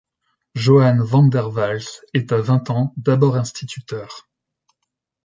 Johanne van der Waals est à vingt ans d'abord instituteur.